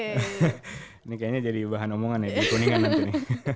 ini kayaknya jadi bahan omongan ya dikuningan nanti